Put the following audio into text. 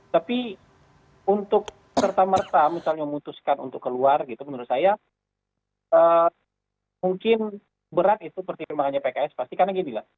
tapi untuk serta merta misalnya memutuskan untuk keluar gitu menurut saya mungkin berat itu pertimbangannya pks pasti karena ginilah